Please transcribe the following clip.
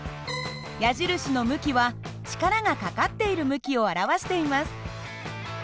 矢印の向きは力がかかっている向きを表しています。